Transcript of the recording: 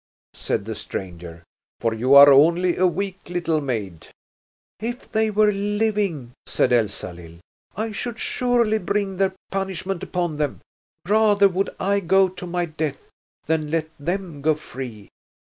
said the stranger. "For you are only a weak little maid." "If they were living," said Elsalill, "I should surely bring their punishment upon them. Rather would I go to my death than let them go free.